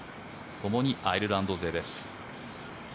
ともにアイルランド勢です。